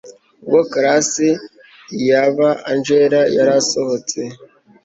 ubwo class ya ba angella yarasohotse